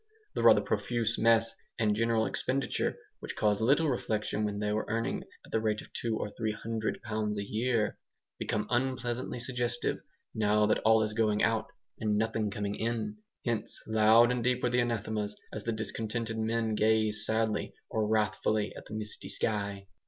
The rather profuse mess and general expenditure, which caused little reflection when they were earning at the rate of two or three hundred pounds a year, became unpleasantly suggestive, now that all is going out and nothing coming in. Hence loud and deep were the anathemas as the discontented men gazed sadly or wrathfully at the misty sky.